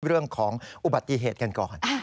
เรื่องของอุบัติเหตุกันก่อน